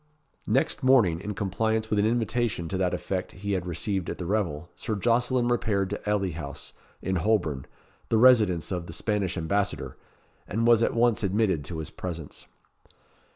Next morning, in compliance with an invitation to that effect he had received at the revel, Sir Jocelyn repaired to Ely House, in Holborn, the residence of the Spanish Ambassador, and was at once admitted to his presence.